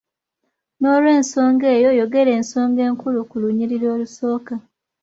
N'olw'ensonga eyo yogera ensonga enkulu ku lunyiriri olusooka.